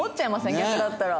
逆だったら。